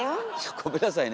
ごめんなさいね